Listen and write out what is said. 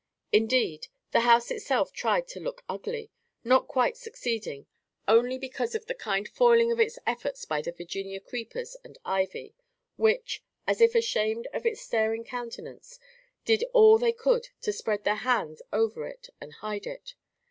Indeed the house itself tried hard to look ugly, not quite succeeding, only because of the kind foiling of its efforts by the Virginia creepers and ivy, which, as if ashamed of its staring countenance, did all they could to spread their hands over it and hide it.